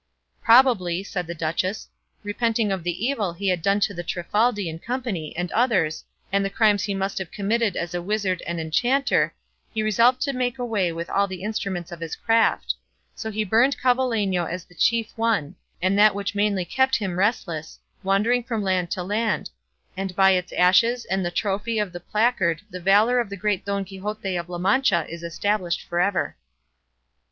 "Probably," said the duchess, "repenting of the evil he had done to the Trifaldi and company, and others, and the crimes he must have committed as a wizard and enchanter, he resolved to make away with all the instruments of his craft; and so burned Clavileño as the chief one, and that which mainly kept him restless, wandering from land to land; and by its ashes and the trophy of the placard the valour of the great Don Quixote of La Mancha is established for ever."